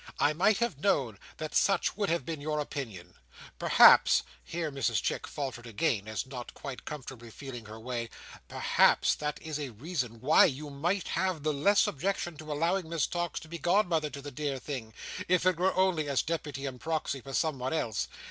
I might have known that such would have been your opinion. Perhaps;" here Mrs Chick faltered again, as not quite comfortably feeling her way; "perhaps that is a reason why you might have the less objection to allowing Miss Tox to be godmother to the dear thing, if it were only as deputy and proxy for someone else.